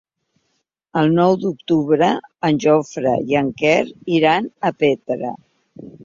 El nou d'octubre en Jofre i en Quer iran a Petra.